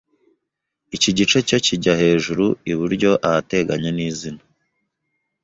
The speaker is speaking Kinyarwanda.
Iki gice cyo kijya hejuru iburyo ahateganye n’izina.